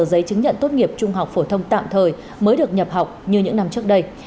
giấy chứng nhận tốt nghiệp trung học phổ thông tạm thời mới được nhập học như những năm trước đây